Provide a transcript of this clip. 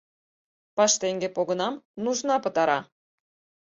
Паштеҥге погынам нужна пытара.